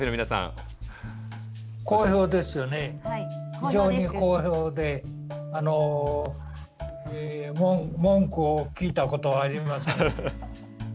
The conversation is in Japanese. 非常に好評で文句を聞いたことはありません。